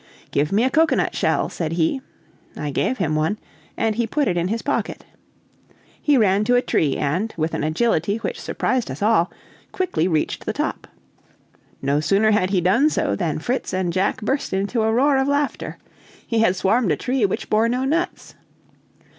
"Give me a cocoanut shell," said he. I gave him one, and he put it in his pocket. He ran to a tree, and, with an agility which surprised us all, quickly reached the top. No sooner had he done so than Fritz and Jack burst into a roar of laughter. He had swarmed a tree which bore no nuts.